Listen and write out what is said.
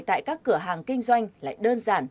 tại các cửa hàng kinh doanh lại đơn giản